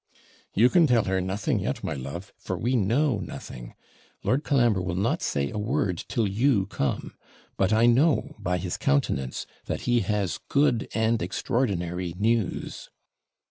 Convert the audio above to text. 'You can tell her nothing yet, my love; for we know nothing. Lord Colambre will not say a word till you come; but I know, by his countenance, that he has good and extraordinary news.'